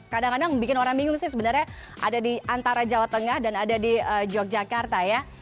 kadang kadang bikin orang bingung sih sebenarnya ada di antara jawa tengah dan ada di yogyakarta ya